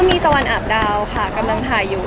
มีตะวันอาบดาวค่ะกำลังถ่ายอยู่